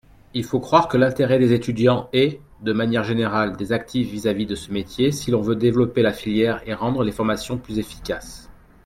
Il faut faire croître l’intérêt des étudiants et, de manière générale, des actifs vis-à-vis de ce métier si l’on veut développer la filière et rendre les formations plus efficaces.